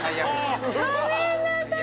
ごめんなさい。